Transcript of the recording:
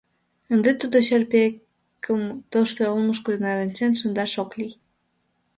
Ынде тудо чарпекым тошто олмышко нерынчен шындаш ок лий...